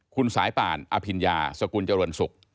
คุณสายป่านอภิญญาสกุลเจริญศุกร์